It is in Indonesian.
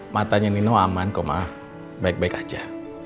matanya nino aman kok mah baik baik aja